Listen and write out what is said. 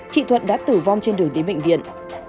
chị thuận đã tử vong trên đường đến bệnh viện